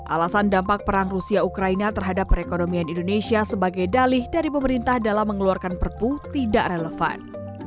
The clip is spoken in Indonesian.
alasan dampak perang rusia ukraina terhadap perekonomian indonesia sebagai dalih dari pemerintah dalam mengeluarkan perpu tidak relevan